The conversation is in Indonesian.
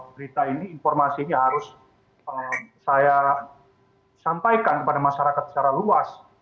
berita ini informasinya harus saya sampaikan kepada masyarakat secara luas